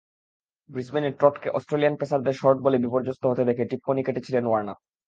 ব্রিসবেনে ট্রটকে অস্ট্রেলিয়ান পেসারদের শর্ট বলে বিপর্যস্ত হতে দেখে টিপ্পনী কেটেছিলেন ওয়ার্নার।